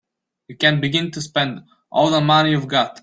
You can't begin to spend all the money you've got.